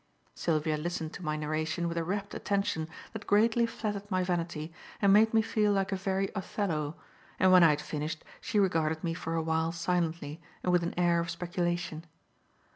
Sylvia listened to my narration with a rapt attention that greatly flattered my vanity and made me feel like a very Othello, and when I had finished, she regarded me for a while silently and with an air of speculation.